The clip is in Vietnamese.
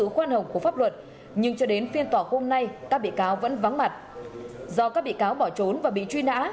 khoan hồng của pháp luật nhưng cho đến phiên tòa hôm nay các bị cáo vẫn vắng mặt do các bị cáo bỏ trốn và bị truy nã